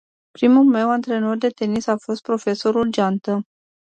Primul meu antrenor de tenis a fost profesorul Geantă.